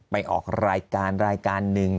ไปออกรายการรายการหนึ่ง